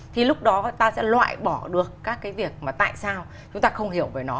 thì lúc đó ta sẽ loại bỏ được các cái việc mà tại sao chúng ta không hiểu về nó